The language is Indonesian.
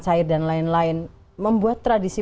cair dan lain lain membuat tradisi